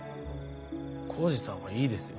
耕治さんはいいですよ。